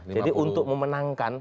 jadi untuk memenangkan